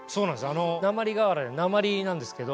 あの鉛瓦で鉛なんですけど。